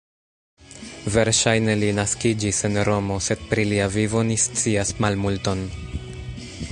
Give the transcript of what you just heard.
Verŝajne li naskiĝis en Romo, sed pri lia vivo ni scias malmulton.